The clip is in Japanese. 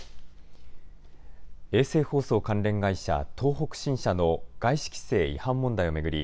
衛星放送関連会社、東北新社の外資規制違反問題を巡り